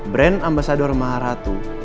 brand ambasador maharatu